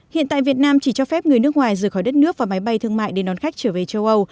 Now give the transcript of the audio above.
hiện tại việt nam chỉ cho phép người nước ngoài rời khỏi đất nước và máy bay thương mại để đón khách trở về châu âu